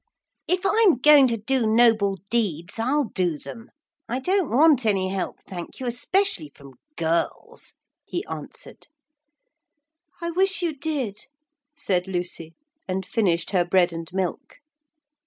'If I'm going to do noble deeds I'll do them. I don't want any help, thank you, especially from girls,' he answered. 'I wish you did,' said Lucy, and finished her bread and milk.